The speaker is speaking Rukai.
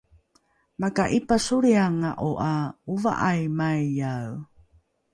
maka’ipasolrianga’o ’a ova’aimaiae